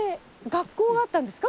学校があったんですか？